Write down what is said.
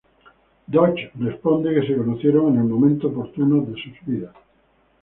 Dodge responde que se conocieron en el momento oportuno de sus vidas.